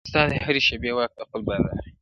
• ستا د هري شېبې واک د خپل بادار دی -